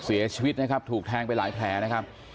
เสียชีวิตนะครับถูกแทงไปหลายแผลนะครับ